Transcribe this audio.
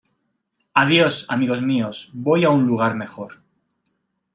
Adiós, amigos míos. Voy a un lugar mejor .